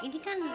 ini kan al